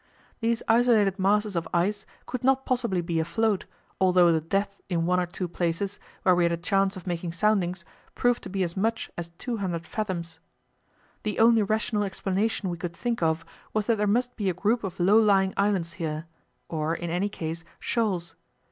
These isolated masses of ice could not possibly be afloat, although the depth in one or two places, where we had a chance of making soundings, proved to be as much as 200 fathoms. The only rational explanation we could think of was that there must be a group of low lying islands here, or in any case shoals.